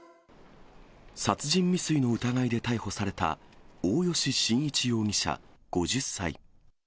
殺人未遂の疑いで逮捕された、大吉伸一容疑者５０歳。